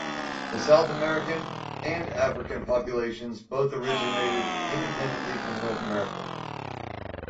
The South American and African populations both originated independently from eastern North America.